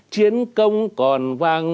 chiến công còn vàng